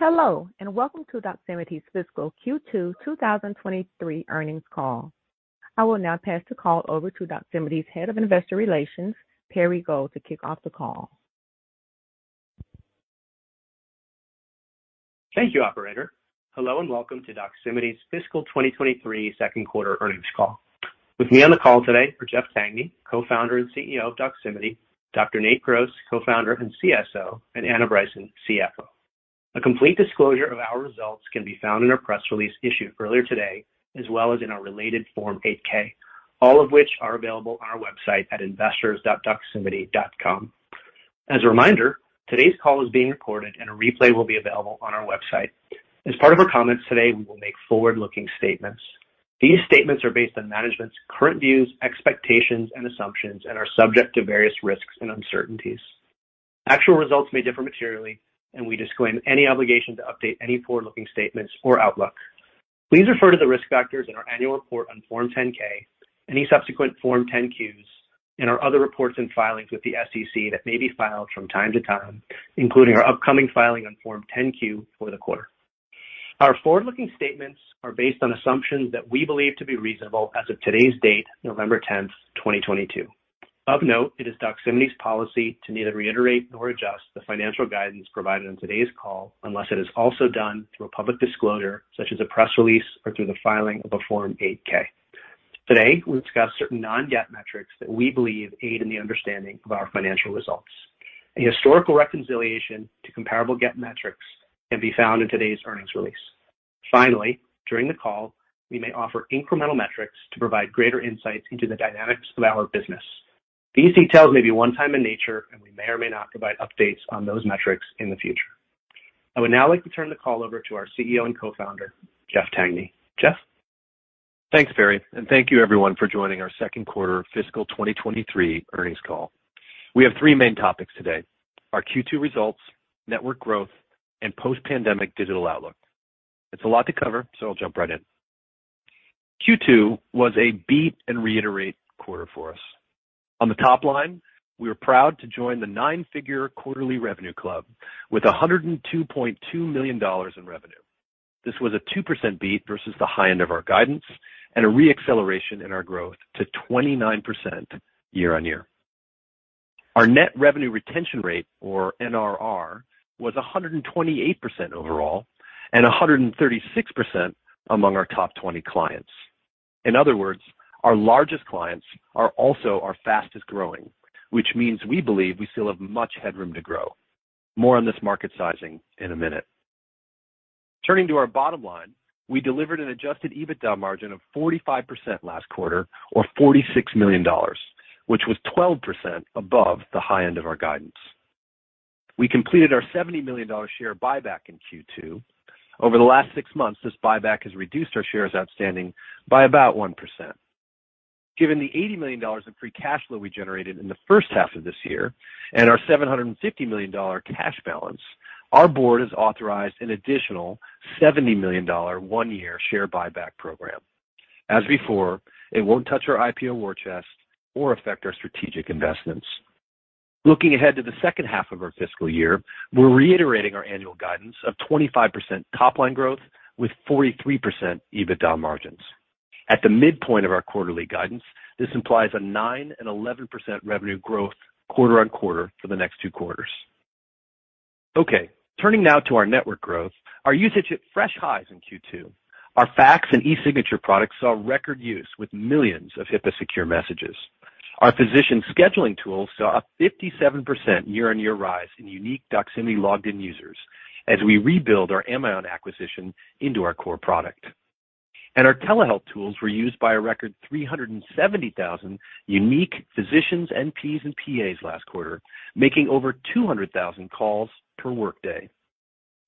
Hello, and welcome to Doximity's fiscal Q2 2023 earnings call. I will now pass the call over to Doximity's Head of investor relations, Perry Gold, to kick off the call. Thank you, operator. Hello, and welcome to Doximity's fiscal 2023 second quarter earnings call. With me on the call today are Jeff Tangney, Co-founder and CEO of Doximity, Dr. Nate Gross, Co-founder and CSO, and Anna Bryson, CFO. A complete disclosure of our results can be found in our press release issued earlier today, as well as in our related Form 8-K, all of which are available on our website at investors.doximity.com. As a reminder, today's call is being recorded and a replay will be available on our website. As part of our comments today, we will make forward-looking statements. These statements are based on management's current views, expectations and assumptions, and are subject to various risks and uncertainties. Actual results may differ materially, and we disclaim any obligation to update any forward-looking statements or outlook. Please refer to the risk factors in our annual report on Form 10-K, any subsequent Form 10-Qs, and our other reports and filings with the SEC that may be filed from time to time, including our upcoming filing on Form 10-Q for the quarter. Our forward-looking statements are based on assumptions that we believe to be reasonable as of today's date, November 10th, 2022. Of note, it is Doximity's policy to neither reiterate nor adjust the financial guidance provided on today's call unless it is also done through a public disclosure, such as a press release or through the filing of a Form 8-K. Today, we'll discuss certain non-GAAP metrics that we believe aid in the understanding of our financial results. A historical reconciliation to comparable GAAP metrics can be found in today's earnings release. Finally, during the call, we may offer incremental metrics to provide greater insights into the dynamics of our business. These details may be one-time in nature, and we may or may not provide updates on those metrics in the future. I would now like to turn the call over to our CEO and Co-founder, Jeff Tangney. Jeff? Thanks, Perry, and thank you everyone for joining our second quarter fiscal 2023 earnings call. We have three main topics today. Our Q2 results, network growth, and post-pandemic digital outlook. It's a lot to cover, so I'll jump right in. Q2 was a beat and reiterate quarter for us. On the top line, we were proud to join the nine-figure quarterly revenue club with $102.2 million in revenue. This was a 2% beat versus the high end of our guidance and a re-acceleration in our growth to 29% year-on-year. Our net revenue retention rate, or NRR, was 128% overall and 136% among our top 20 clients. In other words, our largest clients are also our fastest growing, which means we believe we still have much headroom to grow. More on this market sizing in a minute. Turning to our bottom line, we delivered an adjusted EBITDA margin of 45% last quarter, or $46 million, which was 12% above the high end of our guidance. We completed our $70 million share buyback in Q2. Over the last six months, this buyback has reduced our shares outstanding by about 1%. Given the $80 million of free cash flow we generated in the first half of this year and our $750 million cash balance, our board has authorized an additional $70 million one-year share buyback program. As before, it won't touch our IPO war chest or affect our strategic investments. Looking ahead to the second half of our fiscal year, we're reiterating our annual guidance of 25% top line growth with 43% EBITDA margins. At the midpoint of our quarterly guidance, this implies a 9% and 11% revenue growth quarter-over-quarter for the next two quarters. Okay, turning now to our network growth. Our usage hit fresh highs in Q2. Our fax and e-signature products saw record use with millions of HIPAA secure messages. Our physician scheduling tools saw a 57% year-on-year rise in unique Doximity logged-in users as we rebuild our Amion acquisition into our core product. Our telehealth tools were used by a record 370,000 unique physicians, NPs, and PAs last quarter, making over 200,000 calls per workday.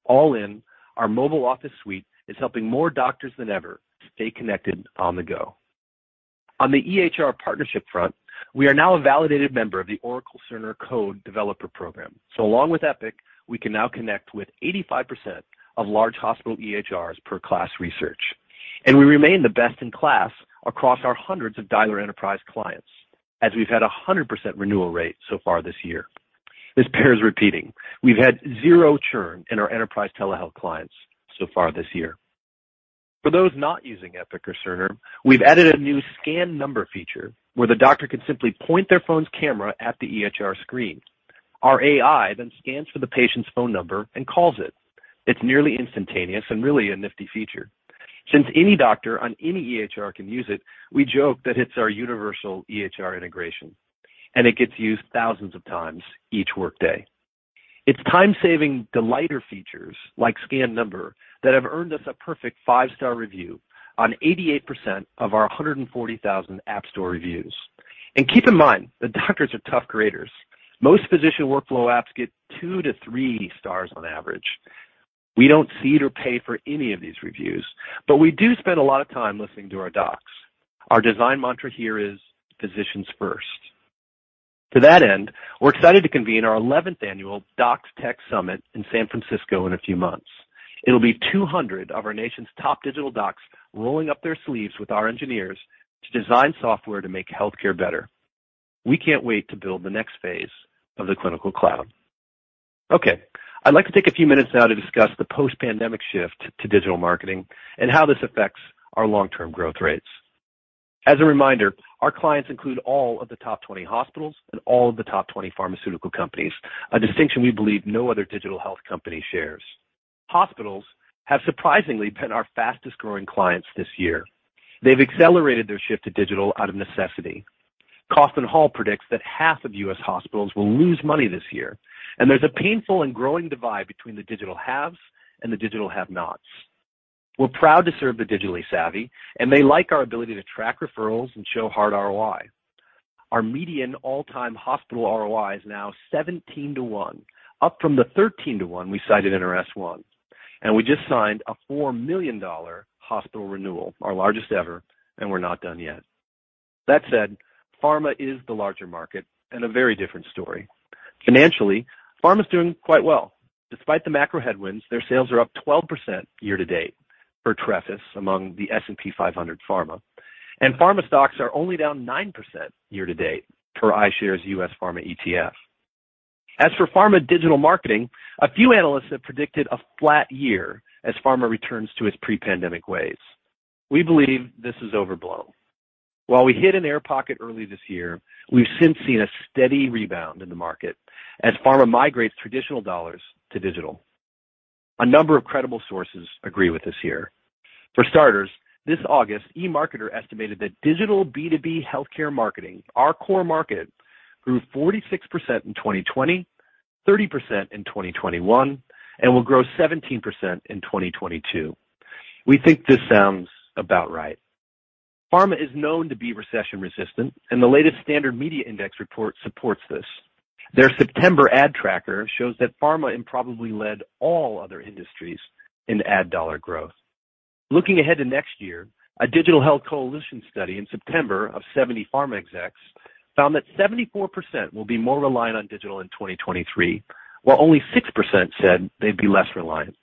All in, our mobile office suite is helping more doctors than ever stay connected on the go. On the EHR partnership front, we are now a validated member of the Oracle Health Developer Program. Along with Epic, we can now connect with 85% of large hospital EHRs per KLAS Research. We remain the best in class across our hundreds of dialer enterprise clients, as we've had a 100% renewal rate so far this year. This bears repeating. We've had 0 churn in our enterprise telehealth clients so far this year. For those not using Epic or Cerner, we've added a new scan number feature where the doctor can simply point their phone's camera at the EHR screen. Our AI then scans for the patient's phone number and calls it. It's nearly instantaneous and really a nifty feature. Since any doctor on any EHR can use it, we joke that it's our universal EHR integration, and it gets used thousands of times each workday. It's time-saving delighter features like scan number that have earned us a perfect 5-star review on 88% of our 140,000 App Store reviews. Keep in mind, the doctors are tough graders. Most physician workflow apps get two-three stars on average. We don't seed or pay for any of these reviews, but we do spend a lot of time listening to our docs. Our design mantra here is physicians first. To that end, we're excited to convene our 11th annual Docs Tech Summit in San Francisco in a few months. It'll be 200 of our nation's top digital docs rolling up their sleeves with our engineers to design software to make healthcare better. We can't wait to build the next phase of the clinical cloud. Okay, I'd like to take a few minutes now to discuss the post-pandemic shift to digital marketing and how this affects our long-term growth rates. As a reminder, our clients include all of the top 20 hospitals and all of the top 20 pharmaceutical companies, a distinction we believe no other digital health company shares. Hospitals have surprisingly been our fastest-growing clients this year. They've accelerated their shift to digital out of necessity. Kaufman Hall predicts that half of U.S. hospitals will lose money this year, and there's a painful and growing divide between the digital haves and the digital have-nots. We're proud to serve the digitally savvy, and they like our ability to track referrals and show hard ROI. Our median all-time hospital ROI is now 17 to one, up from the 13 to one we cited in our S-1, and we just signed a $4 million hospital renewal, our largest ever, and we're not done yet. That said, pharma is the larger market and a very different story. Financially, pharma's doing quite well. Despite the macro headwinds, their sales are up 12% year-to-date per Trefis among the S&P 500 pharma, and pharma stocks are only down 9% year-to-date per iShares U.S. Pharmaceuticals ETF. As for pharma digital marketing, a few analysts have predicted a flat year as pharma returns to its pre-pandemic ways. We believe this is overblown. While we hit an air pocket early this year, we've since seen a steady rebound in the market as pharma migrates traditional dollars to digital. A number of credible sources agree with us here. For starters, this August, eMarketer estimated that digital B2B healthcare marketing, our core market, grew 46% in 2020, 30% in 2021, and will grow 17% in 2022. We think this sounds about right. Pharma is known to be recession-resistant, and the latest Standard Media Index report supports this. Their September ad tracker shows that pharma improbably led all other industries in ad dollar growth. Looking ahead to next year, a Digital Health Coalition study in September of 70 pharma execs found that 74% will be more reliant on digital in 2023, while only 6% said they'd be less reliant.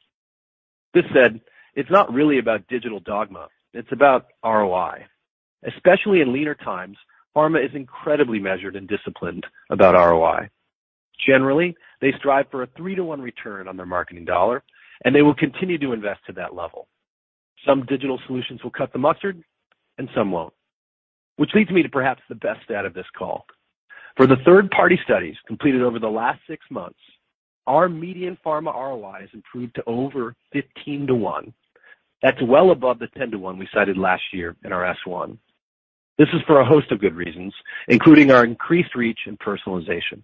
This said, it's not really about digital dogma. It's about ROI. Especially in leaner times, pharma is incredibly measured and disciplined about ROI. Generally, they strive for a three-one return on their marketing dollar, and they will continue to invest to that level. Some digital solutions will cut the mustard and some won't. Which leads me to perhaps the best stat of this call. For the third-party studies completed over the last six months, our median pharma ROI has improved to over 15 to one. That's well above the 10 to one we cited last year in our S-1. This is for a host of good reasons, including our increased reach and personalization.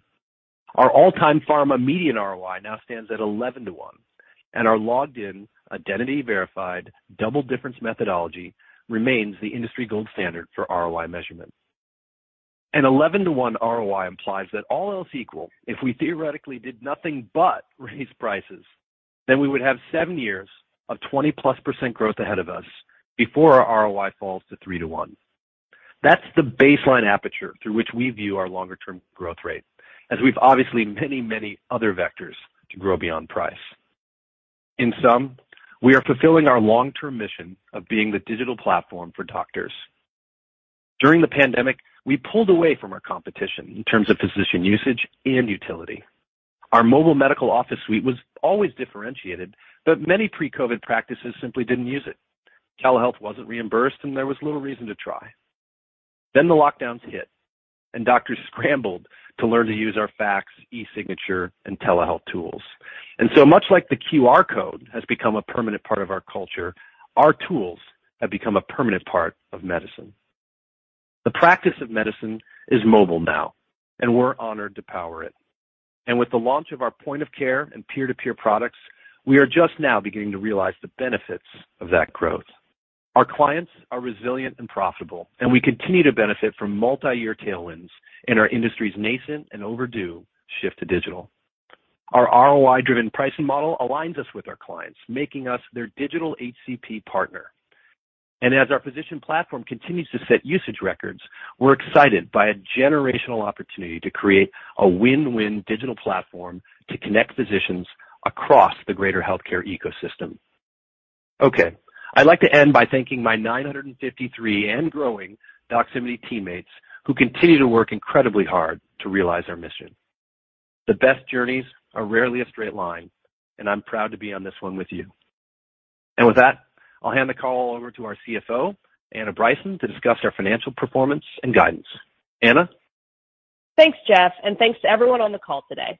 Our all-time pharma median ROI now stands at 11 to one, and our logged in, identity verified, double difference methodology remains the industry gold standard for ROI measurement. An 11 to one ROI implies that all else equal, if we theoretically did nothing but raise prices, then we would have seven years of 20+% growth ahead of us before our ROI falls to three-one. That's the baseline aperture through which we view our long-term growth rate, as we've obviously many, many other vectors to grow beyond price. In sum, we are fulfilling our long-term mission of being the digital platform for doctors. During the pandemic, we pulled away from our competition in terms of physician usage and utility. Our mobile medical office suite was always differentiated, but many pre-COVID practices simply didn't use it. Telehealth wasn't reimbursed, and there was little reason to try. The lockdowns hit, and doctors scrambled to learn to use our fax, e-signature, and telehealth tools. Much like the QR code has become a permanent part of our culture, our tools have become a permanent part of medicine. The practice of medicine is mobile now, and we're honored to power it. With the launch of our point of care and peer-to-peer products, we are just now beginning to realize the benefits of that growth. Our clients are resilient and profitable, and we continue to benefit from multi-year tailwinds in our industry's nascent and overdue shift to digital. Our ROI-driven pricing model aligns us with our clients, making us their digital HCP partner. As our physician platform continues to set usage records, we're excited by a generational opportunity to create a win-win digital platform to connect physicians across the greater healthcare ecosystem. Okay, I'd like to end by thanking my 953 and growing Doximity teammates who continue to work incredibly hard to realize our mission. The best journeys are rarely a straight line, and I'm proud to be on this one with you. With that, I'll hand the call over to our CFO, Anna Bryson, to discuss our financial performance and guidance. Anna? Thanks, Jeff, and thanks to everyone on the call today.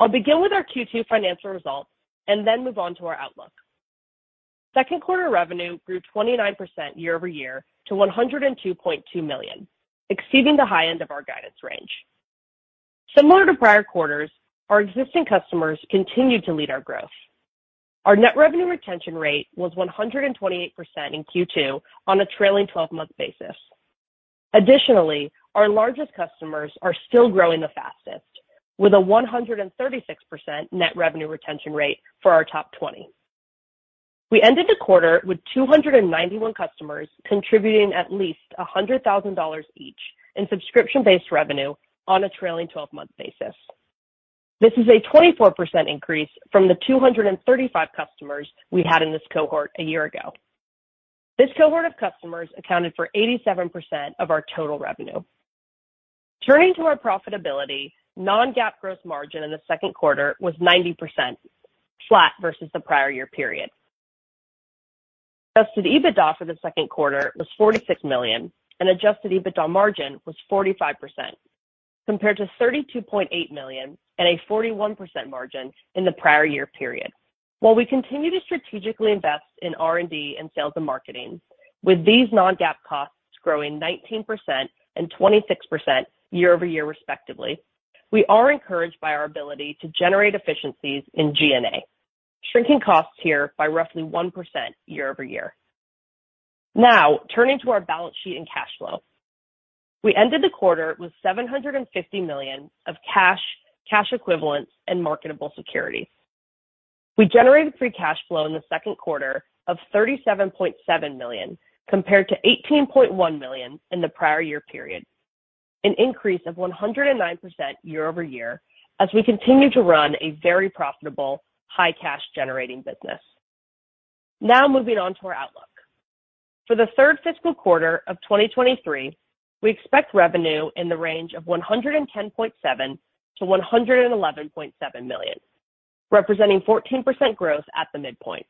I'll begin with our Q2 financial results and then move on to our outlook. Second quarter revenue grew 29% year-over-year to $102.2 million, exceeding the high end of our guidance range. Similar to prior quarters, our existing customers continued to lead our growth. Our net revenue retention rate was 128% in Q2 on a trailing 12-month basis. Additionally, our largest customers are still growing the fastest with a 136% net revenue retention rate for our top twenty. We ended the quarter with 291 customers contributing at least $100,000 each in subscription-based revenue on a trailing 12-month basis. This is a 24% increase from the 235 customers we had in this cohort a year ago. This cohort of customers accounted for 87% of our total revenue. Turning to our profitability, non-GAAP gross margin in the second quarter was 90% flat versus the prior year period. Adjusted EBITDA for the second quarter was $46 million and adjusted EBITDA margin was 45% compared to $32.8 million and a 41% margin in the prior year period. While we continue to strategically invest in R&D and sales and marketing, with these non-GAAP costs growing 19% and 26% year-over-year respectively, we are encouraged by our ability to generate efficiencies in G&A, shrinking costs here by roughly 1% year-over-year. Now turning to our balance sheet and cash flow. We ended the quarter with $750 million of cash equivalents, and marketable securities. We generated free cash flow in the second quarter of $37.7 million compared to $18.1 million in the prior year period, an increase of 109% year over year as we continue to run a very profitable, high cash generating business. Now moving on to our outlook. For the third fiscal quarter of 2023, we expect revenue in the range of $110.7 million-$111.7 million, representing 14% growth at the midpoint.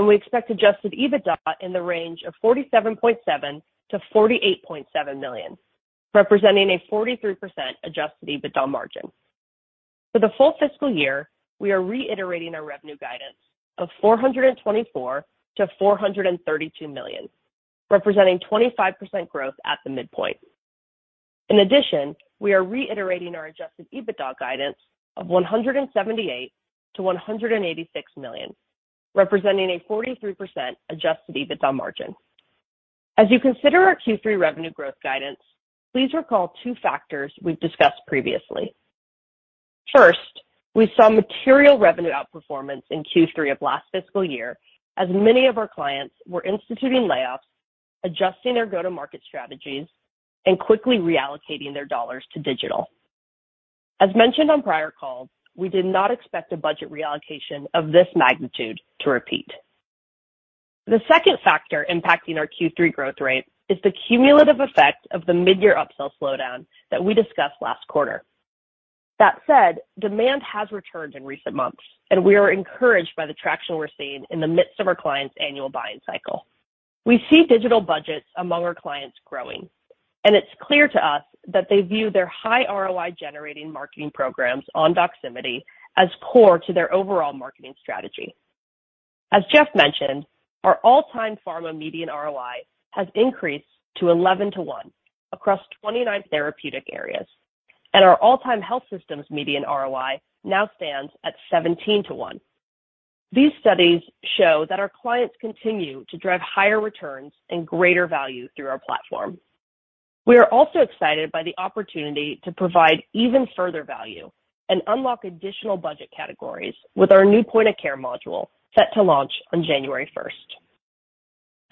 We expect adjusted EBITDA in the range of $47.7 million-$48.7 million, representing a 43% adjusted EBITDA margin. For the full fiscal year, we are reiterating our revenue guidance of $424 million-$432 million, representing 25% growth at the midpoint. In addition, we are reiterating our adjusted EBITDA guidance of $178 million-$186 million, representing a 43% adjusted EBITDA margin. As you consider our Q3 revenue growth guidance, please recall two factors we've discussed previously. First, we saw material revenue outperformance in Q3 of last fiscal year as many of our clients were instituting layoffs, adjusting their go-to-market strategies, and quickly reallocating their dollars to digital. As mentioned on prior calls, we did not expect a budget reallocation of this magnitude to repeat. The second factor impacting our Q3 growth rate is the cumulative effect of the mid-year upsell slowdown that we discussed last quarter. That said, demand has returned in recent months, and we are encouraged by the traction we're seeing in the midst of our clients' annual buying cycle. We see digital budgets among our clients growing, and it's clear to us that they view their high ROI generating marketing programs on Doximity as core to their overall marketing strategy. As Jeff mentioned, our all-time pharma median ROI has increased to 11 to one across 29 therapeutic areas, and our all-time health systems median ROI now stands at 17 to one. These studies show that our clients continue to drive higher returns and greater value through our platform. We are also excited by the opportunity to provide even further value and unlock additional budget categories with our new point of care module set to launch on January 1st.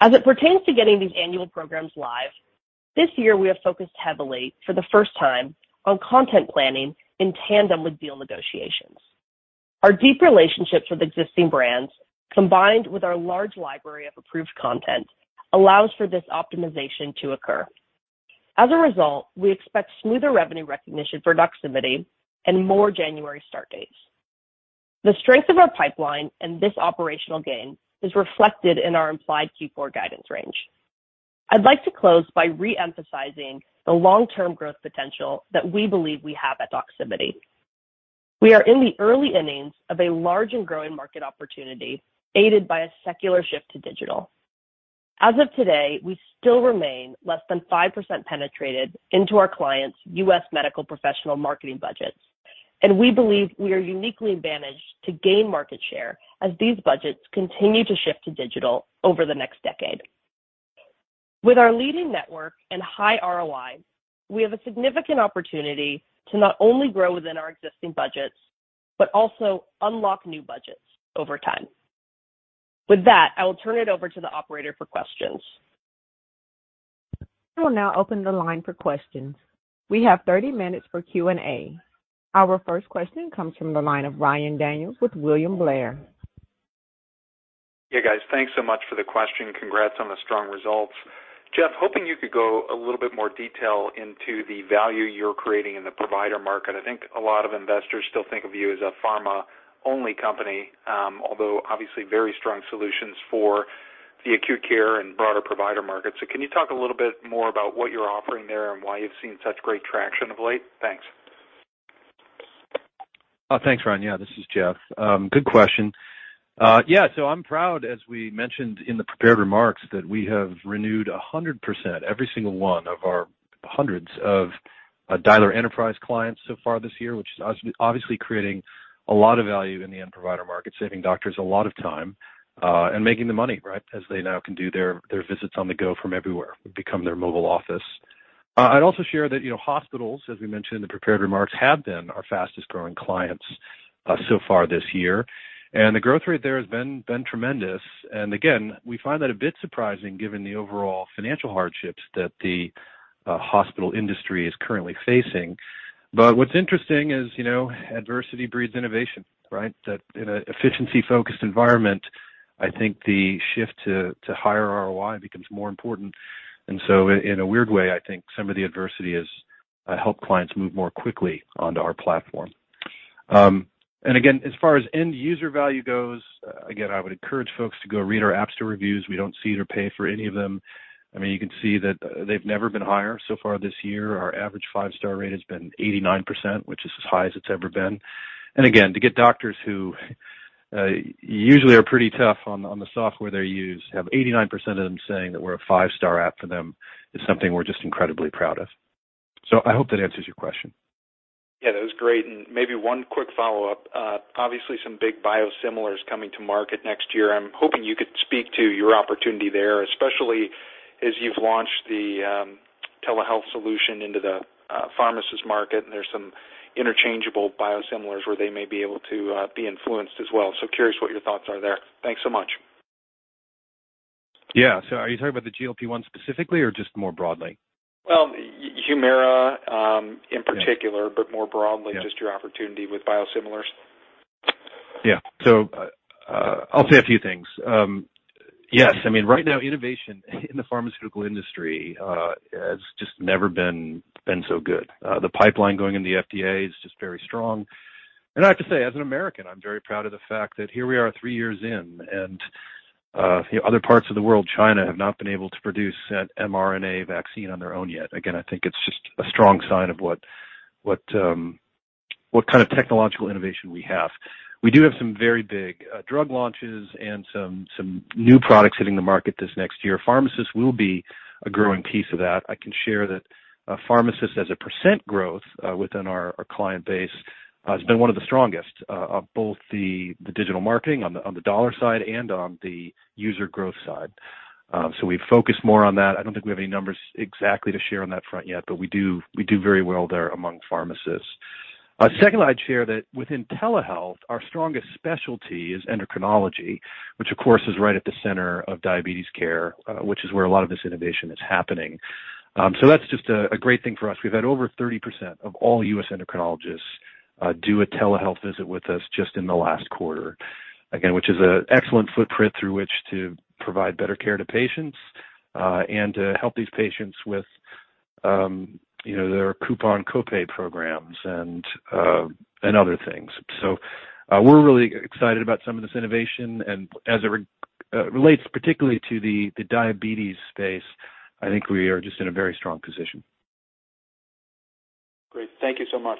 As it pertains to getting these annual programs live, this year we have focused heavily for the first time on content planning in tandem with deal negotiations. Our deep relationships with existing brands, combined with our large library of approved content, allows for this optimization to occur. As a result, we expect smoother revenue recognition for Doximity and more January start dates. The strength of our pipeline and this operational gain is reflected in our implied Q4 guidance range. I'd like to close by re-emphasizing the long-term growth potential that we believe we have at Doximity. We are in the early innings of a large and growing market opportunity, aided by a secular shift to digital. As of today, we still remain less than 5% penetrated into our clients' U.S. medical professional marketing budgets, and we believe we are uniquely advantaged to gain market share as these budgets continue to shift to digital over the next decade. With our leading network and high ROI, we have a significant opportunity to not only grow within our existing budgets, but also unlock new budgets over time. With that, I will turn it over to the operator for questions. I will now open the line for questions. We have 30 minutes for Q&A. Our first question comes from the line of Ryan Daniels with William Blair. Hey, guys. Thanks so much for the question. Congrats on the strong results. Jeff, hoping you could go into a little bit more detail into the value you're creating in the provider market. I think a lot of investors still think of you as a pharma-only company, although obviously very strong solutions for the acute care and broader provider market. Can you talk a little bit more about what you're offering there and why you've seen such great traction of late? Thanks. Thanks, Ryan. Yeah, this is Jeff. Good question. Yeah, so I'm proud, as we mentioned in the prepared remarks, that we have renewed 100% every single one of our hundreds of dialer enterprise clients so far this year, which is obviously creating a lot of value in the end provider market, saving doctors a lot of time, and making the money, right, as they now can do their visits on the go from everywhere, become their mobile office. I'd also share that, you know, hospitals, as we mentioned in the prepared remarks, have been our fastest-growing clients so far this year. The growth rate there has been tremendous. Again, we find that a bit surprising given the overall financial hardships that the hospital industry is currently facing. What's interesting is, you know, adversity breeds innovation, right? That in an efficiency-focused environment, I think the shift to higher ROI becomes more important. In a weird way, I think some of the adversity has helped clients move more quickly onto our platform. Again, as far as end user value goes, again, I would encourage folks to go read our App Store reviews. We don't seed or pay for any of them. I mean, you can see that they've never been higher. So far this year, our average five-star rate has been 89%, which is as high as it's ever been. Again, to get doctors who usually are pretty tough on the software they use, have 89% of them saying that we're a five-star app for them is something we're just incredibly proud of. I hope that answers your question. Yeah, that was great. Maybe one quick follow-up. Obviously some big biosimilars coming to market next year. I'm hoping you could speak to your opportunity there, especially as you've launched the telehealth solution into the pharmacist market, and there's some interchangeable biosimilars where they may be able to be influenced as well. Curious what your thoughts are there. Thanks so much. Yeah. Are you talking about the GLP-1 specifically or just more broadly? Well, Humira in particular, but more broadly, just your opportunity with biosimilars. Yeah. I'll say a few things. Yes, I mean, right now, innovation in the pharmaceutical industry has just never been so good. The pipeline going in the FDA is just very strong. I have to say, as an American, I'm very proud of the fact that here we are three years in and other parts of the world, China, have not been able to produce an mRNA vaccine on their own yet. Again, I think it's just a strong sign of what kind of technological innovation we have. We do have some very big drug launches and some new products hitting the market this next year. Pharmacists will be a growing piece of that. I can share that, pharmacists as a percent growth within our client base has been one of the strongest of both the digital marketing on the dollar side and on the user growth side. We've focused more on that. I don't think we have any numbers exactly to share on that front yet, but we do very well there among pharmacists. Secondly, I'd share that within telehealth, our strongest specialty is endocrinology, which of course is right at the center of diabetes care, which is where a lot of this innovation is happening. That's just a great thing for us. We've had over 30% of all U.S. endocrinologists do a telehealth visit with us just in the last quarter. Again, which is an excellent footprint through which to provide better care to patients, and to help these patients with, you know, their coupon copay programs and other things. We're really excited about some of this innovation. As it relates particularly to the diabetes space, I think we are just in a very strong position. Great. Thank you so much.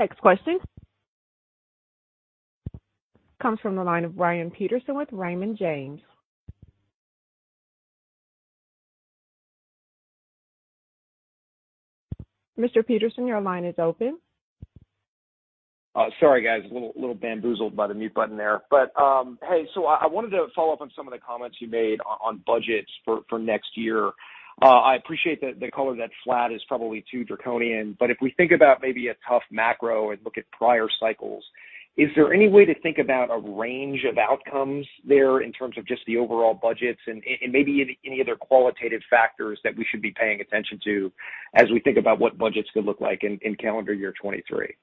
Next question comes from the line of Brian Peterson with Raymond James. Mr. Peterson, your line is open. Sorry, guys. A little bamboozled by the mute button there. Hey, I wanted to follow up on some of the comments you made on budgets for next year. I appreciate that the color that flat is probably too draconian, but if we think about maybe a tough macro and look at prior cycles, is there any way to think about a range of outcomes there in terms of just the overall budgets and maybe any other qualitative factors that we should be paying attention to as we think about what budgets could look like in calendar year 2023?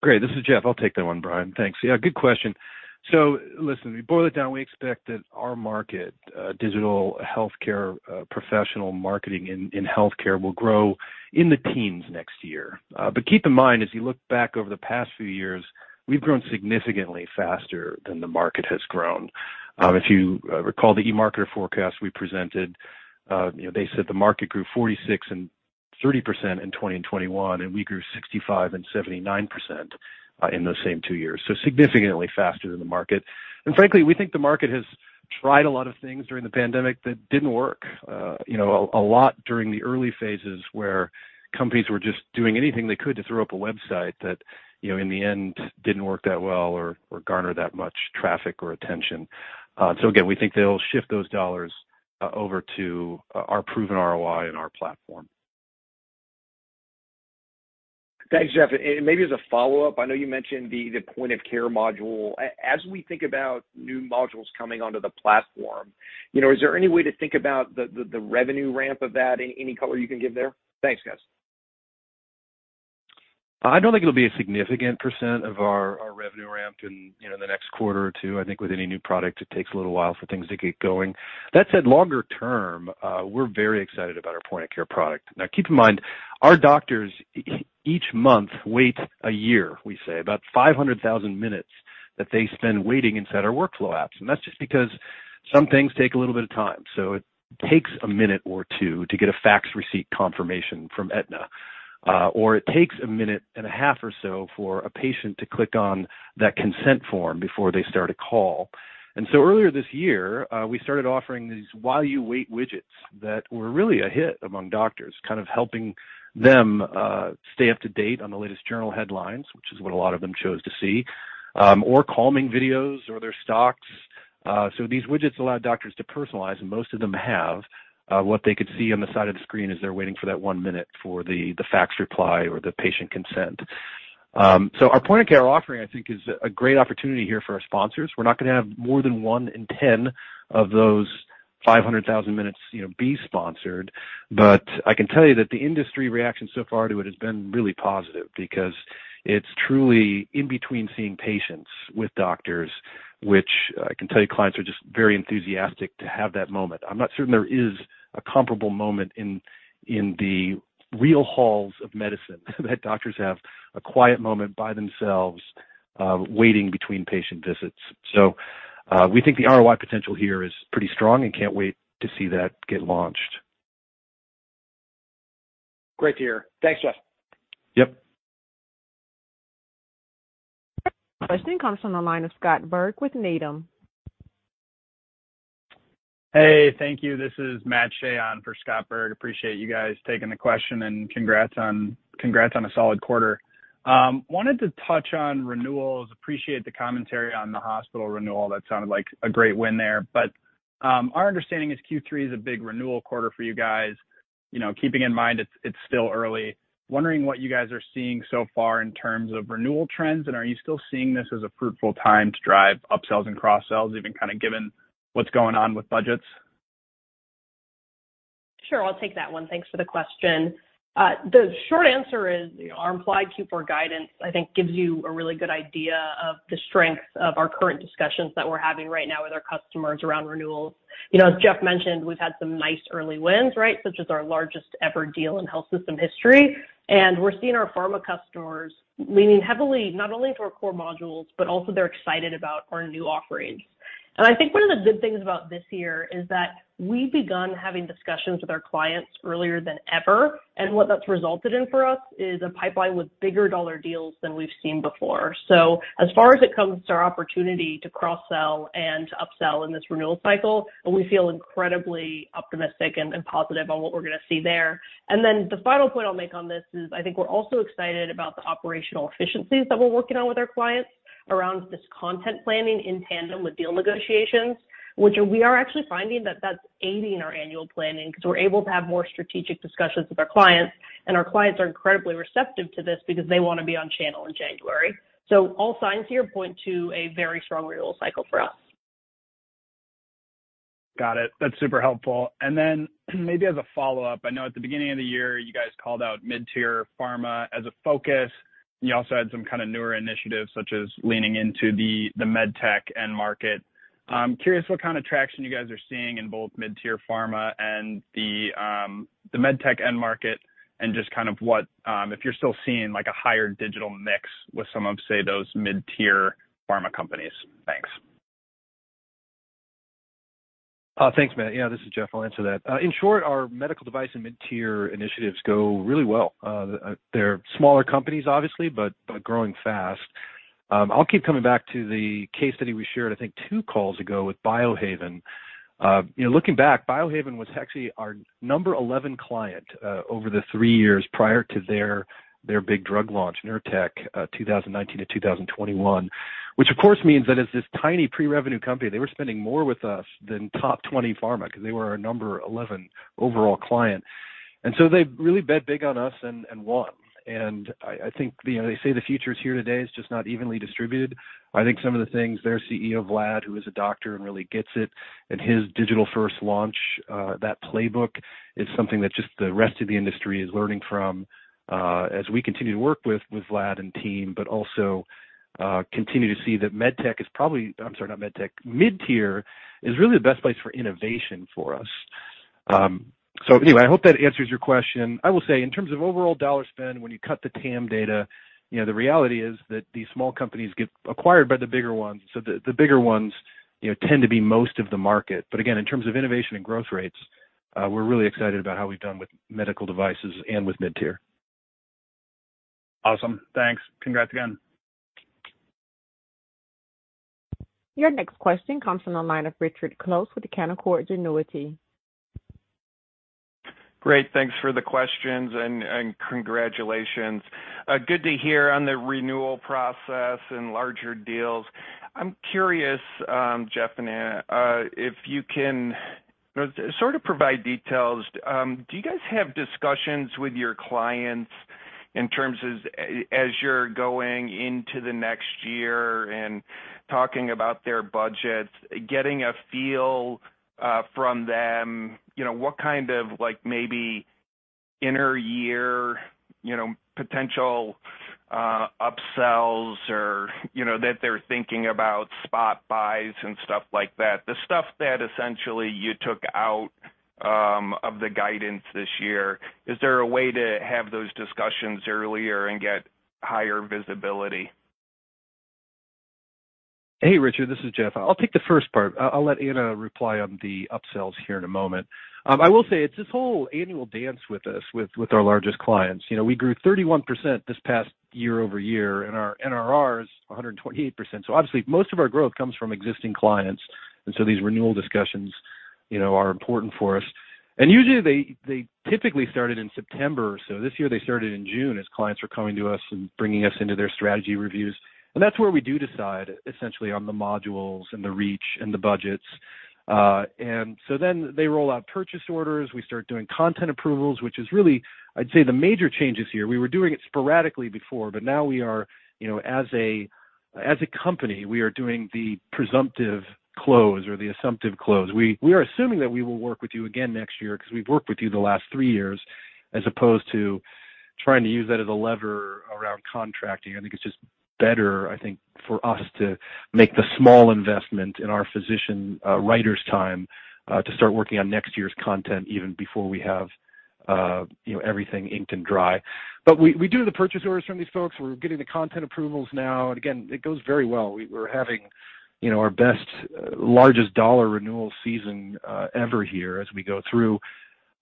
Great. This is Jeff. I'll take that one, Brian. Thanks. Yeah, good question. Listen, we boil it down. We expect that our market, digital healthcare, professional marketing in healthcare will grow in the teens next year. Keep in mind, as you look back over the past few years, we've grown significantly faster than the market has grown. If you recall the eMarketer forecast we presented, you know, they said the market grew 46% and 30% in 2020 and 2021, and we grew 65% and 79% in those same two years. Significantly faster than the market. Frankly, we think the market has tried a lot of things during the pandemic that didn't work. You know, a lot during the early phases where companies were just doing anything they could to throw up a website that, you know, in the end, didn't work that well or garner that much traffic or attention. Again, we think they'll shift those dollars over to our proven ROI and our platform. Thanks, Jeff. Maybe as a follow-up, I know you mentioned the point of care module. As we think about new modules coming onto the platform, you know, is there any way to think about the revenue ramp of that? Any color you can give there? Thanks, guys. I don't think it'll be a significant % of our revenue ramp in, you know, the next quarter or two. I think with any new product, it takes a little while for things to get going. That said, longer term, we're very excited about our point of care product. Now, keep in mind, our doctors each month wait. Yeah, we say about 500,000 minutes that they spend waiting inside our workflow apps. That's just because some things take a little bit of time. It takes a minute or two to get a fax receipt confirmation from Aetna, or it takes a minute and a half or so for a patient to click on that consent form before they start a call. Earlier this year, we started offering these while you wait widgets that were really a hit among doctors, kind of helping them stay up to date on the latest journal headlines, which is what a lot of them chose to see, or calming videos or their stocks. These widgets allow doctors to personalize, and most of them have what they could see on the side of the screen as they're waiting for that one minute for the fax reply or the patient consent. Our point of care offering, I think, is a great opportunity here for our sponsors. We're not going to have more than one in ten of those 500,000 minutes, you know, be sponsored. I can tell you that the industry reaction so far to it has been really positive because it's truly in between seeing patients with doctors, which I can tell you clients are just very enthusiastic to have that moment. I'm not certain there is a comparable moment in the real halls of medicine that doctors have a quiet moment by themselves, waiting between patient visits. We think the ROI potential here is pretty strong and can't wait to see that get launched. Great to hear. Thanks, Jeff. Yep. Question comes from the line of Scott Berg with Needham. Hey, thank you. This is Matt Shea on for Scott Berg. Appreciate you guys taking the question and congrats on a solid quarter. Wanted to touch on renewals. Appreciate the commentary on the hospital renewal. That sounded like a great win there. Our understanding is Q3 is a big renewal quarter for you guys. You know, keeping in mind it's still early. Wondering what you guys are seeing so far in terms of renewal trends. Are you still seeing this as a fruitful time to drive upsells and cross-sells, even kind of given what's going on with budgets? Sure. I'll take that one. Thanks for the question. The short answer is our implied Q4 guidance, I think, gives you a really good idea of the strength of our current discussions that we're having right now with our customers around renewals. You know, as Jeff mentioned, we've had some nice early wins, right, such as our largest ever deal in health system history. We're seeing our pharma customers leaning heavily not only to our core modules, but also they're excited about our new offerings. I think one of the good things about this year is that we've begun having discussions with our clients earlier than ever. What that's resulted in for us is a pipeline with bigger dollar deals than we've seen before. As far as it comes to our opportunity to cross-sell and to upsell in this renewal cycle, we feel incredibly optimistic and positive on what we're going to see there. The final point I'll make on this is I think we're also excited about the operational efficiencies that we're working on with our clients around this content planning in tandem with deal negotiations, which we are actually finding that that's aiding our annual planning because we're able to have more strategic discussions with our clients. Our clients are incredibly receptive to this because they want to be on channel in January. All signs here point to a very strong renewal cycle for us. Got it. That's super helpful. Maybe as a follow-up, I know at the beginning of the year, you guys called out mid-tier pharma as a focus. You also had some kind of newer initiatives, such as leaning into the med tech end market. I'm curious what kind of traction you guys are seeing in both mid-tier pharma and the med tech end market and just kind of what if you're still seeing like a higher digital mix with some of, say, those mid-tier pharma companies. Thanks. Thanks, Matt. Yeah, this is Jeff. I'll answer that. In short, our medical device and mid-tier initiatives go really well. They're smaller companies, obviously, but growing fast. I'll keep coming back to the case study we shared, I think two calls ago with Biohaven. You know, looking back, Biohaven was actually our number 11 client over the three years prior to their big drug launch, Nurtec, 2019 to 2021. Which of course means that as this tiny pre-revenue company, they were spending more with us than top 20 pharma because they were our number 11 overall client. They really bet big on us and won. I think, you know, they say the future is here today, it's just not evenly distributed. I think some of the things their CEO, Vlad, who is a doctor and really gets it, and his digital first launch, that playbook is something that just the rest of the industry is learning from, as we continue to work with Vlad and team, but also continue to see that Mid-tier is really the best place for innovation for us. Anyway, I hope that answers your question. I will say in terms of overall dollar spend, when you cut the TAM data, you know, the reality is that these small companies get acquired by the bigger ones. The bigger ones, you know, tend to be most of the market. Again, in terms of innovation and growth rates, we're really excited about how we've done with medical devices and with mid-tier. Awesome. Thanks. Congrats again. Your next question comes from the line of Richard Close with Canaccord Genuity. Great. Thanks for the questions and congratulations. Good to hear on the renewal process and larger deals. I'm curious, Jeff and Anna, if you can sort of provide details. Do you guys have discussions with your clients in terms of as you're going into the next year and talking about their budgets, getting a feel from them, you know, what kind of like maybe in-year, you know, potential upsells or, you know, that they're thinking about spot buys and stuff like that, the stuff that essentially you took out of the guidance this year. Is there a way to have those discussions earlier and get higher visibility? Hey, Richard Close, this is Jeff Tangney. I'll take the first part. I'll let Anna Bryson reply on the upsells here in a moment. I will say it's this whole annual dance with us, with our largest clients. You know, we grew 31% this past year-over-year, and our NRR is 128%. Obviously most of our growth comes from existing clients. These renewal discussions, you know, are important for us. Usually they typically started in September or so. This year, they started in June as clients are coming to us and bringing us into their strategy reviews. That's where we do decide essentially on the modules and the reach and the budgets. They roll out purchase orders. We start doing content approvals, which is really, I'd say, the major changes here. We were doing it sporadically before, but now we are, you know, as a company, we are doing the presumptive close or the assumptive close. We are assuming that we will work with you again next year because we've worked with you the last three years, as opposed to trying to use that as a lever around contracting. I think it's just better, I think, for us to make the small investment in our physician writers' time to start working on next year's content even before we have, you know, everything inked and dry. We do the purchase orders from these folks. We're getting the content approvals now. Again, it goes very well. We're having, you know, our best, largest dollar renewal season ever here as we go through.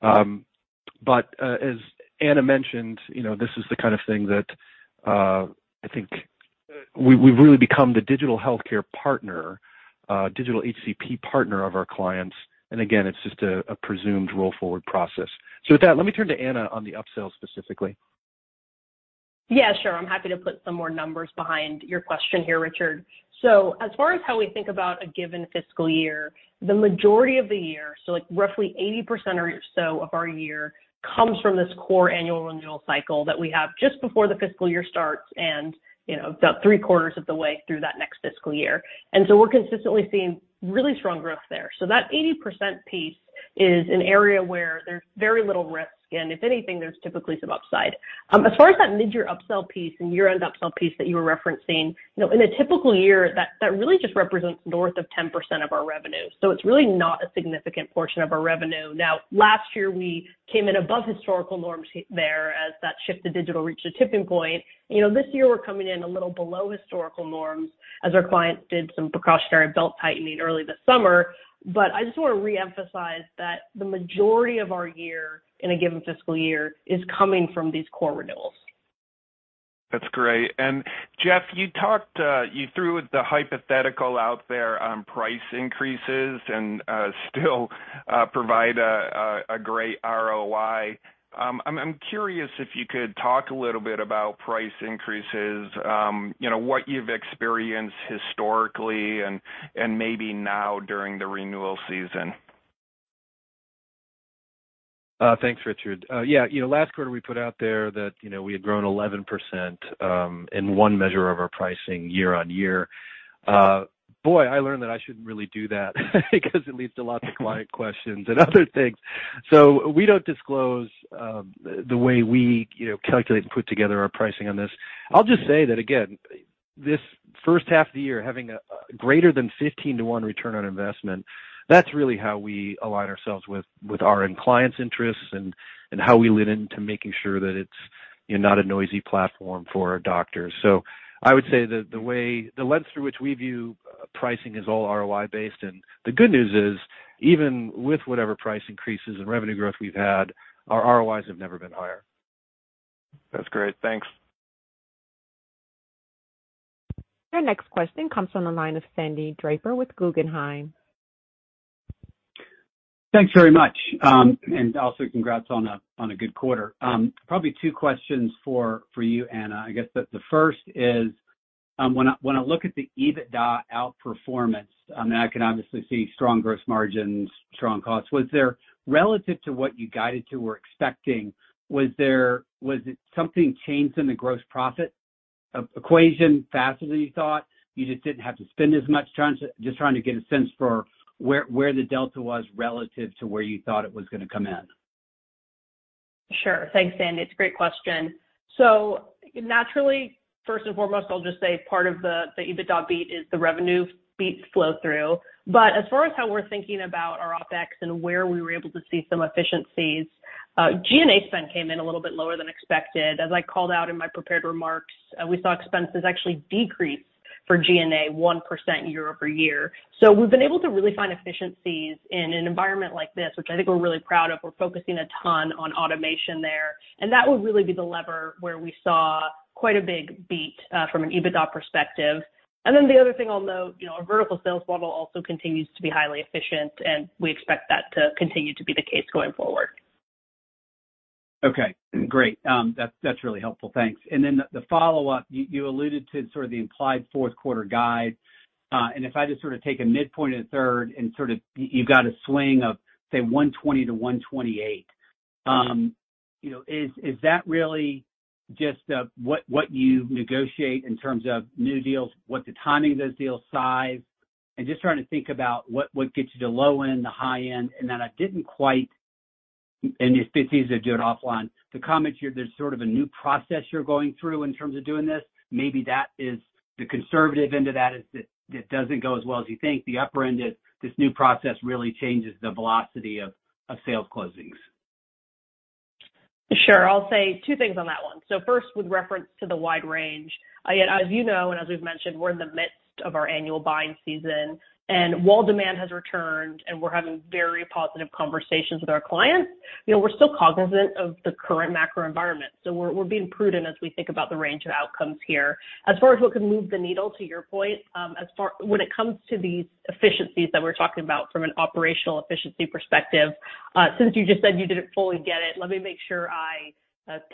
As Anna mentioned, you know, this is the kind of thing that, I think we've really become the digital healthcare partner, digital HCP partner of our clients. Again, it's just a presumed roll forward process. With that, let me turn to Anna on the upsell specifically. Yeah, sure. I'm happy to put some more numbers behind your question here, Richard. As far as how we think about a given fiscal year, the majority of the year, so like roughly 80% or so of our year, comes from this core annual renewal cycle that we have just before the fiscal year starts and, you know, about three-quarters of the way through that next fiscal year. We're consistently seeing really strong growth there. That 80% piece is an area where there's very little risk, and if anything, there's typically some upside. As far as that mid-year upsell piece and year-end upsell piece that you were referencing, you know, in a typical year, that really just represents north of 10% of our revenue. It's really not a significant portion of our revenue. Now, last year, we came in above historical norms there as that shift to digital reached a tipping point. You know, this year we're coming in a little below historical norms as our clients did some precautionary belt-tightening early this summer. I just wanna reemphasize that the majority of our year in a given fiscal year is coming from these core renewals. That's great. Jeff, you talked, you threw the hypothetical out there on price increases and still provide a great ROI. I'm curious if you could talk a little bit about price increases, you know, what you've experienced historically and maybe now during the renewal season. Thanks, Richard. Yeah, you know, last quarter we put out there that, you know, we had grown 11% in one measure of our pricing year-on-year. Boy, I learned that I shouldn't really do that because it leads to lots of client questions and other things. We don't disclose the way we, you know, calculate and put together our pricing on this. I'll just say that again, this first half of the year, having a greater than 15 to one return on investment, that's really how we align ourselves with our end clients' interests and how we lean into making sure that it's, you know, not a noisy platform for our doctors. I would say that the lens through which we view pricing is all ROI based. The good news is, even with whatever price increases and revenue growth we've had, our ROIs have never been higher. That's great. Thanks. Our next question comes from the line of Sandy Draper with Guggenheim. Thanks very much. Also congrats on a good quarter. Probably two questions for you, Anna. I guess the first is, when I look at the EBITDA outperformance, I mean, I can obviously see strong gross margins, strong costs. Was there, relative to what you guided to or expecting, was it something changed in the gross profit equation faster than you thought? You just didn't have to spend as much? Just trying to get a sense for where the delta was relative to where you thought it was gonna come in. Sure. Thanks, Sandy. It's a great question. Naturally, first and foremost, I'll just say part of the EBITDA beat is the revenue beat flow through. As far as how we're thinking about our OpEx and where we were able to see some efficiencies, G&A spend came in a little bit lower than expected. As I called out in my prepared remarks, we saw expenses actually decrease for G&A 1% year-over-year. We've been able to really find efficiencies in an environment like this, which I think we're really proud of. We're focusing a ton on automation there, and that would really be the lever where we saw quite a big beat from an EBITDA perspective. The other thing I'll note, you know, our vertical sales model also continues to be highly efficient, and we expect that to continue to be the case going forward. Okay, great. That's really helpful. Thanks. The follow-up, you alluded to sort of the implied fourth quarter guide. If I just sort of take a midpoint and third and sort of you've got a swing of, say, $120-$128, you know, is that really just what you negotiate in terms of new deals? What the timing of those deals, size? Just trying to think about what gets you the low end, the high end? I didn't quite, if it's easier to do it offline, the comments here, there's sort of a new process you're going through in terms of doing this. Maybe that is the conservative end of that it doesn't go as well as you think. The upper end is this new process really changes the velocity of sales closings. Sure. I'll say two things on that one. First, with reference to the wide range. Yeah, as you know, and as we've mentioned, we're in the midst of our annual buying season, and while demand has returned and we're having very positive conversations with our clients, you know, we're still cognizant of the current macro environment, so we're being prudent as we think about the range of outcomes here. As far as what can move the needle, to your point, when it comes to these efficiencies that we're talking about from an operational efficiency perspective, since you just said you didn't fully get it, let me make sure I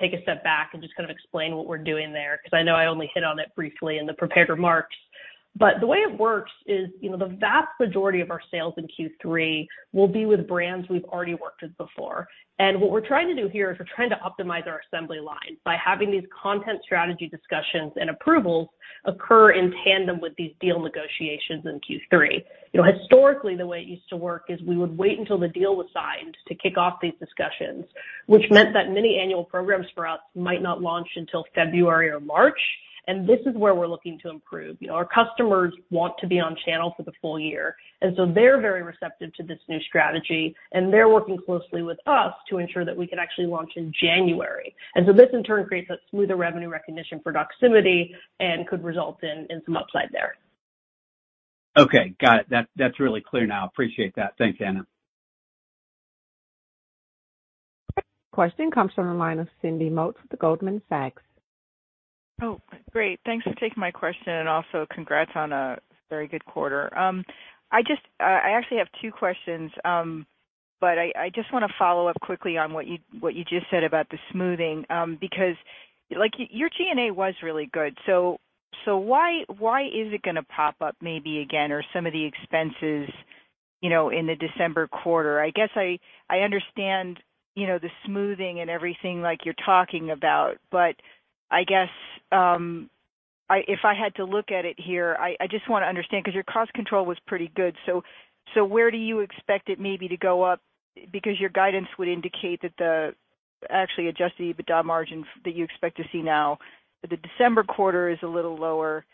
take a step back and just kind of explain what we're doing there, 'cause I know I only hit on it briefly in the prepared remarks. The way it works is, you know, the vast majority of our sales in Q3 will be with brands we've already worked with before. What we're trying to do here is we're trying to optimize our assembly line by having these content strategy discussions and approvals occur in tandem with these deal negotiations in Q3. You know, historically, the way it used to work is we would wait until the deal was signed to kick off these discussions, which meant that many annual programs for us might not launch until February or March, and this is where we're looking to improve. You know, our customers want to be on channel for the full year, and so they're very receptive to this new strategy, and they're working closely with us to ensure that we can actually launch in January. This in turn creates that smoother revenue recognition for Doximity and could result in some upside there. Okay, got it. That's really clear now. Appreciate that. Thanks, Anna. Question comes from the line of Cindy Motz with Goldman Sachs. Oh, great. Thanks for taking my question and also congrats on a very good quarter. I actually have two questions, but I just wanna follow up quickly on what you just said about the smoothing, because, like, your G&A was really good, so why is it gonna pop up maybe again or some of the expenses, you know, in the December quarter? I guess I understand, you know, the smoothing and everything like you're talking about, but I guess, if I had to look at it here, I just wanna understand 'cause your cost control was pretty good. So where do you expect it maybe to go up? Because your guidance would indicate that the. Actually, adjusted EBITDA margin for that you expect to see now, the December quarter is a little lower,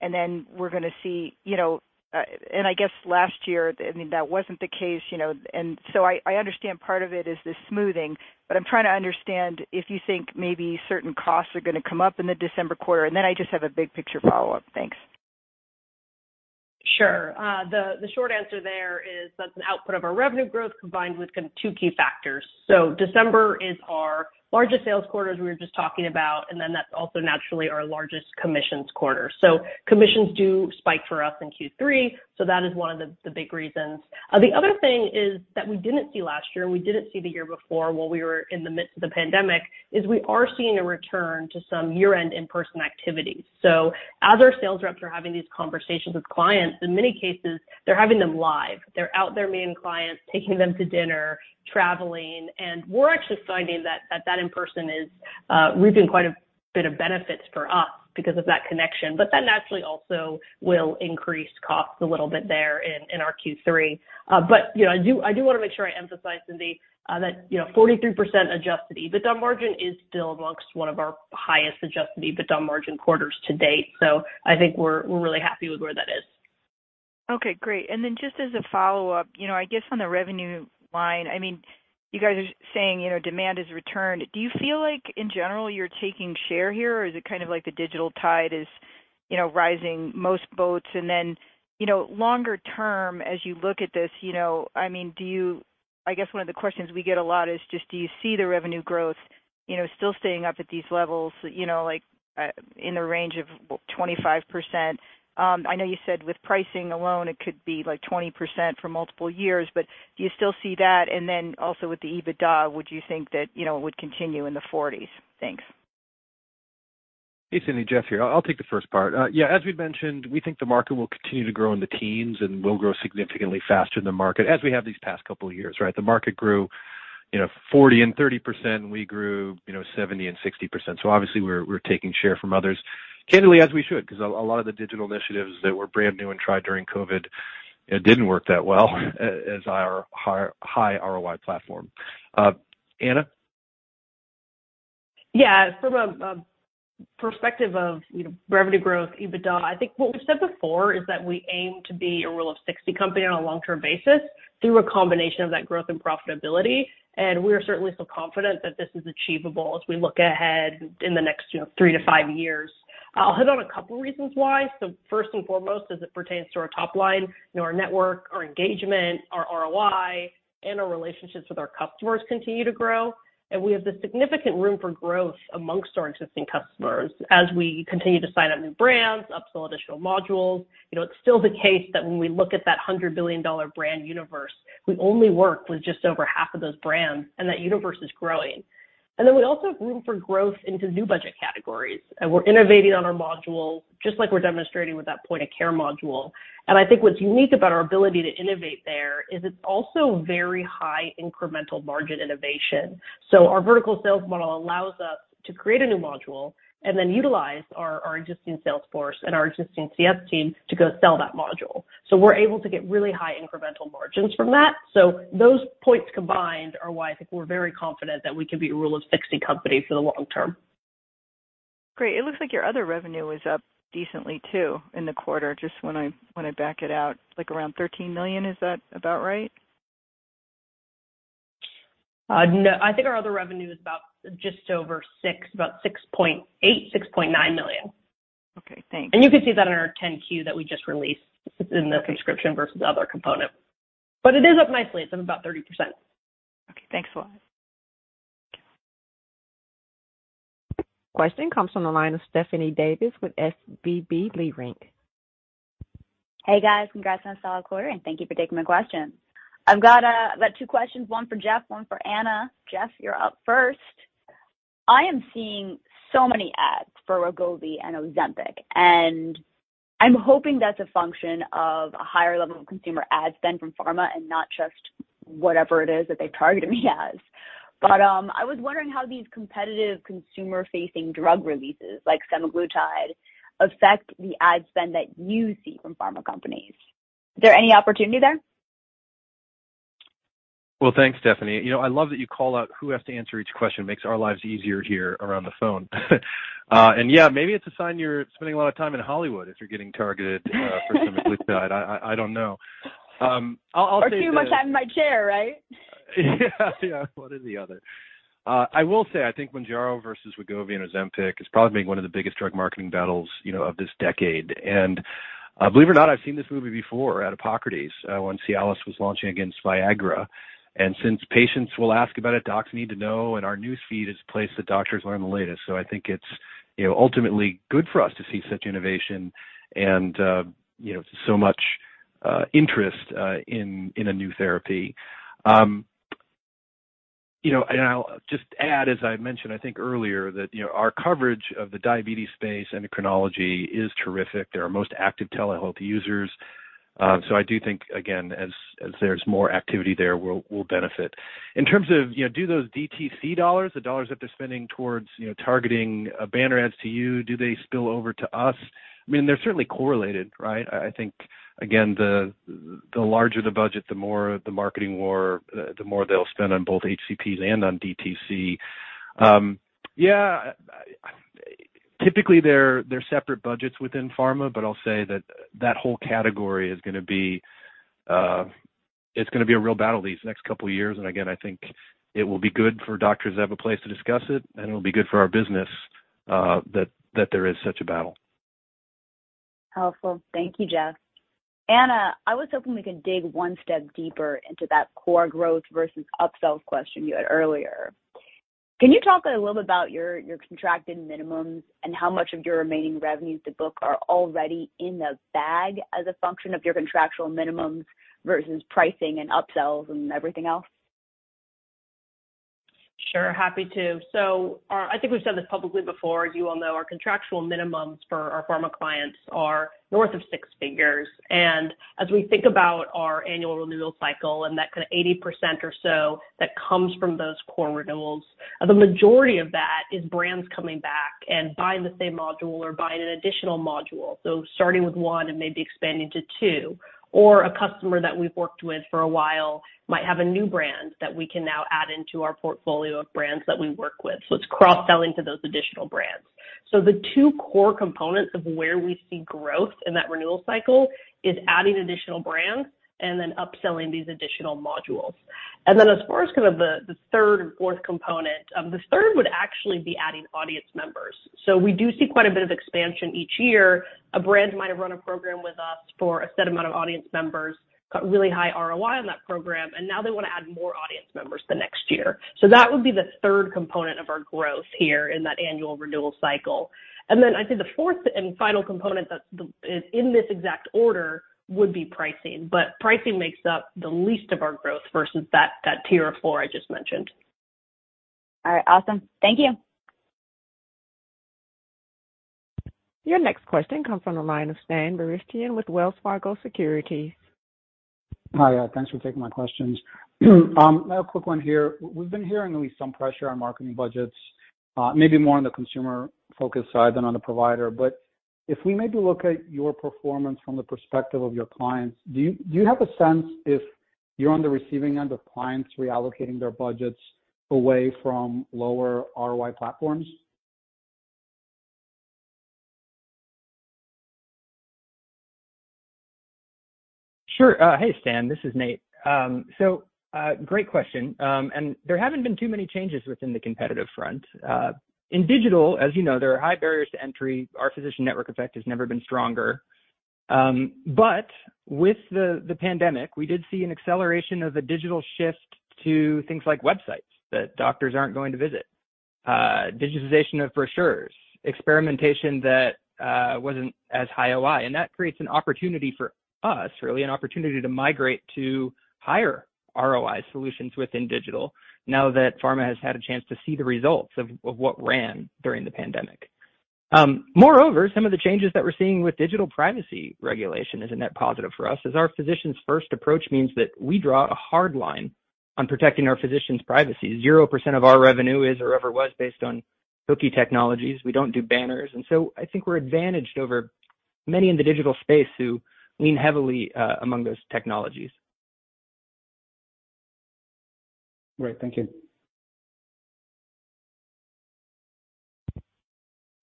and then we're gonna see, you know. I guess last year, I mean, that wasn't the case, you know. I understand part of it is the smoothing, but I'm trying to understand if you think maybe certain costs are gonna come up in the December quarter. Then I just have a big picture follow-up. Thanks. Sure. The short answer there is that's an output of our revenue growth combined with kind of two key factors. December is our largest sales quarter, as we were just talking about, and then that's also naturally our largest commissions quarter. Commissions do spike for us in Q3, so that is one of the big reasons. The other thing is that we didn't see last year and we didn't see the year before while we were in the midst of the pandemic, is we are seeing a return to some year-end in-person activities. As our sales reps are having these conversations with clients, in many cases, they're having them live. They're out there meeting clients, taking them to dinner, traveling, and we're actually finding that in person is reaping quite a bit of benefits for us because of that connection. That naturally also will increase costs a little bit there in our Q3. You know, I do wanna make sure I emphasize, Cindy, that, you know, 43% adjusted EBITDA margin is still amongst one of our highest adjusted EBITDA margin quarters to date. I think we're really happy with where that is. Okay, great. Then just as a follow-up, you know, I guess on the revenue line, I mean, you guys are saying, you know, demand has returned. Do you feel like in general you're taking share here, or is it kind of like the digital tide is, you know, rising most boats? You know, longer term, as you look at this, you know, I mean, do you, I guess one of the questions we get a lot is just do you see the revenue growth, you know, still staying up at these levels, you know, like, in the range of 25%? I know you said with pricing alone it could be like 20% for multiple years, but do you still see that? Also with the EBITDA, would you think that, you know, it would continue in the 40s? Thanks. Hey, Cindy, Jeff here. I'll take the first part. Yeah, as we've mentioned, we think the market will continue to grow in the teens and will grow significantly faster than the market, as we have these past couple of years, right? The market grew, you know, 40% and 30%, and we grew, you know, 70% and 60%. Obviously we're taking share from others. Candidly, as we should, 'cause a lot of the digital initiatives that were brand new and tried during COVID, it didn't work that well as our high ROI platform. Anna? Yeah. From a perspective of, you know, revenue growth, EBITDA, I think what we've said before is that we aim to be a rule of 60 company on a long-term basis through a combination of that growth and profitability, and we're certainly still confident that this is achievable as we look ahead in the next, you know, three-five years. I'll hit on a couple reasons why. First and foremost, as it pertains to our top line, you know, our network, our engagement, our ROI, and our relationships with our customers continue to grow, and we have the significant room for growth among our existing customers as we continue to sign up new brands, upsell additional modules. You know, it's still the case that when we look at that $100 billion brand universe, we only work with just over half of those brands, and that universe is growing. Then we also have room for growth into new budget categories, and we're innovating on our modules, just like we're demonstrating with that point of care module. I think what's unique about our ability to innovate there is it's also very high incremental margin innovation. Our vertical sales model allows us to create a new module and then utilize our existing sales force and our existing CS team to go sell that module. We're able to get really high incremental margins from that. Those points combined are why I think we're very confident that we can be a rule of 60 company for the long term. Great. It looks like your other revenue was up decently too in the quarter, just when I back it out, like around $13 million. Is that about right? No. I think our other revenue is about just over $6, about $6.8 million-$6.9 million. Okay, thanks. You can see that in our 10-Q that we just released. Okay. -in the subscription versus other component. It is up nicely. It's up about 30%. Okay, thanks a lot. Question comes from the line of Stephanie Davis with SVB Leerink. Hey guys, congrats on a solid quarter and thank you for taking my questions. I've got two questions, one for Jeff, one for Anna. Jeff, you're up first. I am seeing so many ads for Wegovy and Ozempic, and I'm hoping that's a function of a higher level of consumer ad spend from pharma and not just whatever it is that they've targeted me as. I was wondering how these competitive consumer-facing drug releases like semaglutide affect the ad spend that you see from pharma companies. Is there any opportunity there? Well, thanks, Stephanie. You know, I love that you call out who has to answer each question. Makes our lives easier here around the phone. Yeah, maybe it's a sign you're spending a lot of time in Hollywood if you're getting targeted for semaglutide. I don't know. I'll say this. Too much time in my chair, right? Yeah. Yeah, one or the other. I will say, I think Mounjaro versus Wegovy and Ozempic is probably one of the biggest drug marketing battles, you know, of this decade. Believe it or not, I've seen this movie before at Epocrates when Cialis was launching against Viagra. Since patients will ask about it, docs need to know, and our news feed is the place that doctors learn the latest. I think it's, you know, ultimately good for us to see such innovation and, you know, so much interest in a new therapy. I'll just add, as I mentioned, I think earlier that, you know, our coverage of the diabetes space, endocrinology is terrific. They're our most active telehealth users. I do think, again, as there's more activity there, we'll benefit. In terms of, you know, do those DTC dollars, the dollars that they're spending towards, you know, targeting, banner ads to you, do they spill over to us? I mean, they're certainly correlated, right? I think, again, the larger the budget, the more the marketing war, the more they'll spend on both HCPs and on DTC. Typically they're separate budgets within pharma, but I'll say that whole category is gonna be, it's gonna be a real battle these next couple of years. Again, I think it will be good for doctors to have a place to discuss it and it'll be good for our business, that there is such a battle. Helpful. Thank you, Jeff. Anna, I was hoping we could dig one step deeper into that core growth versus upsells question you had earlier. Can you talk a little bit about your contracted minimums and how much of your remaining revenues to book are already in the bag as a function of your contractual minimums versus pricing and upsells and everything else? Sure. Happy to. I think we've said this publicly before, as you all know, our contractual minimums for our pharma clients are north of six figures. As we think about our annual renewal cycle and that kinda 80% or so that comes from those core renewals, the majority of that is brands coming back and buying the same module or buying an additional module. Starting with one and maybe expanding to two, or a customer that we've worked with for a while might have a new brand that we can now add into our portfolio of brands that we work with. It's cross-sell into those additional brands and then upselling these additional modules. As far as kind of the third and fourth component, the third would actually be adding audience members. We do see quite a bit of expansion each year. A brand might have run a program with us for a set amount of audience members, got really high ROI on that program, and now they wanna add more audience members the next year. That would be the third component of our growth here in that annual renewal cycle. I'd say the fourth and final component that's in this exact order would be pricing, but pricing makes up the least of our growth versus that tier of four I just mentioned. All right. Awesome. Thank you. Your next question comes from the line of Stan Berenshteyn with Wells Fargo Securities. Hi. Thanks for taking my questions. I have a quick one here. We've been hearing at least some pressure on marketing budgets, maybe more on the consumer-focused side than on the provider, but if we maybe look at your performance from the perspective of your clients, do you have a sense if you're on the receiving end of clients reallocating their budgets away from lower ROI platforms? Sure. Hey, Stan, this is Nate. Great question. There haven't been too many changes within the competitive front. In digital, as you know, there are high barriers to entry. Our physician network effect has never been stronger. But with the pandemic, we did see an acceleration of the digital shift to things like websites that doctors aren't going to visit. Digitization of brochures, experimentation that wasn't as high ROI, and that creates an opportunity for us, really an opportunity to migrate to higher ROI solutions within digital now that pharma has had a chance to see the results of what ran during the pandemic. Moreover, some of the changes that we're seeing with digital privacy regulation is a net positive for us, as our physicians-first approach means that we draw a hard line on protecting our physicians' privacy. 0% of our revenue is or ever was based on cookie technologies. We don't do banners, and so I think we're advantaged over many in the digital space who lean heavily among those technologies. Great. Thank you.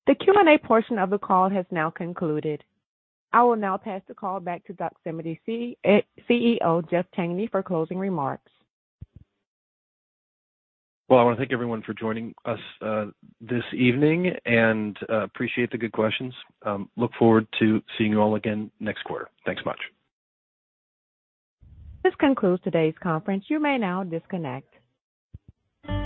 The Q&A portion of the call has now concluded. I will now pass the call back to Doximity CEO Jeff Tangney for closing remarks. Well, I wanna thank everyone for joining us this evening and appreciate the good questions. Look forward to seeing you all again next quarter. Thanks much. This concludes today's conference. You may now disconnect.